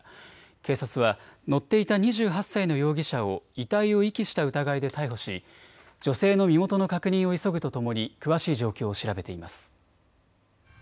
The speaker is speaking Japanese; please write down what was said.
警察は乗っていた２８歳の容疑者を遺体を遺棄した疑いで逮捕し女性の身元の確認を急ぐとともに詳しい状況を調べています。